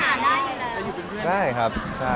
บินไปหาได้เวลา